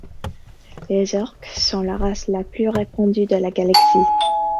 Les Orks sont la race la plus répandue de la galaxie.